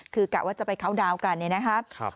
คือกะว่าจะไปเข้าดาวน์กันเนี่ยนะครับ